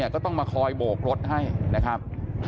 ก็ต้องมาคอยโบกรถให้นะครับ